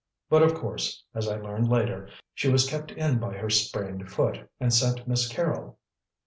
But, of course, as I learned later, she was kept in by her sprained foot, and sent Miss Carrol."